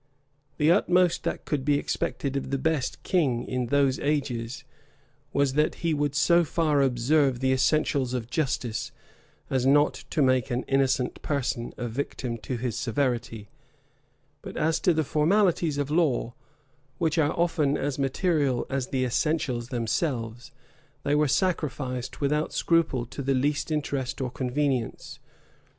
The utmost that could be expected of the best king in those ages, was, that he would so far observe the essentials of justice, as not to make an innocent person a victim to his severity; but as to the formalities of law, which are often as material as the essentials themselves, they were sacrificed without scruple to the least interest or convenience.